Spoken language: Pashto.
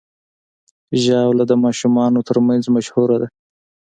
ژاوله د ماشومانو ترمنځ مشهوره ده.